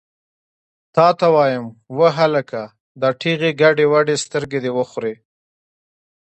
تا ته وایم، وهلکه! دا ټېغې ګډې وډې سترګې دې وخورې!